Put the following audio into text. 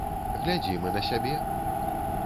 Глядзім і на сябе!